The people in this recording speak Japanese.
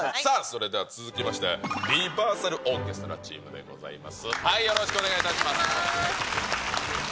さあそれでは続きまして、リバーサルオーケストラチームです。